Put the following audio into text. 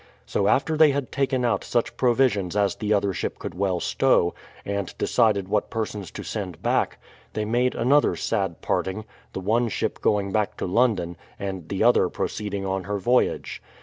So after they had taken out such provisions as the other ship could well stow, and de cided what persons to send back, they made another sad 67 58 BRADFORD'S HISTORY OF parting", the one ship going back to London, and the other proceeding on her voyage.